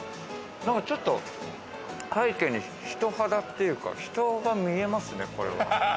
なんか、ちょっと背景にひと肌っていうか、人が見えますね、これは。